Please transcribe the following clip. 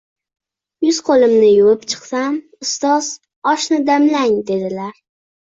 Yuz qo’limni yuvib chiqsam ustoz: — “oshni damlang”? – dedilar.